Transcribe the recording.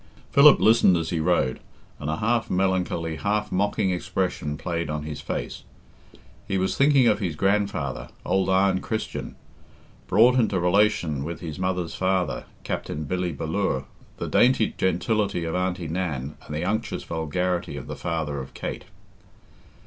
Philip listened as he rode, and a half melancholy, half mocking expression played on his face. He was thinking of his grandfather, old Iron Christian, brought into relation with his mother's father, Capt. Billy Ballure, of the dainty gentility of Auntie Nan and the unctuous vulgarity of the father of Kate.